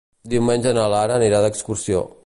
Diumenge na Lara anirà d'excursió.